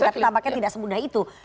tapi tampaknya tidak semudah itu